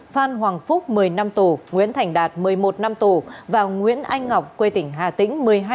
phan hoàng phúc một mươi năm tù nguyễn thành đạt một mươi một năm tù và nguyễn anh ngọc quê tỉnh hà tĩnh